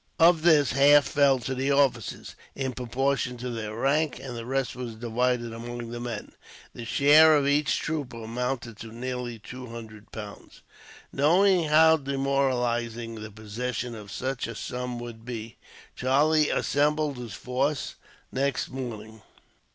Of this half fell to the officers, in proportion to their rank, and the rest was divided among the men. The share of each trooper amounted to nearly two hundred pounds. Knowing how demoralizing the possession of such a sum would be, Charlie assembled his force next morning.